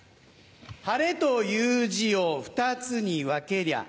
晴れという字を２つに分けりゃ